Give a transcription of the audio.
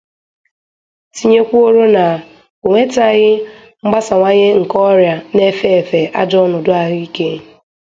tinyekwuoro na ọ ewèta mgbasàwanye nke ọrịa na efe èfè ajọ ọnọdụ ahụike